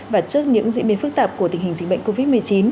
và trước những diễn biến phức tạp của tình hình dịch bệnh covid một mươi chín